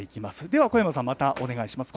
では小山さん、またお願いします。